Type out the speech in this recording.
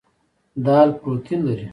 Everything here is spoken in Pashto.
دال پروټین لري.